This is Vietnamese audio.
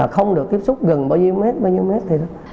không được tiếp xúc gần bao nhiêu mét bao nhiêu mét thì